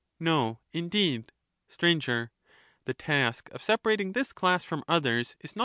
No, indeed. Str. The task of separating this class from others is not an » Cp.